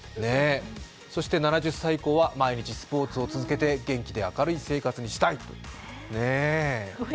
そして７０歳以降は毎日スポーツを続けて元気で明るい生活をしたいと。